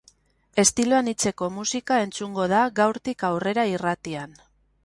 Estilo anitzeko musika entzungo da gaurtik aurrera irratian.